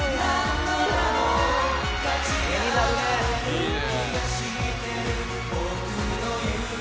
いいね。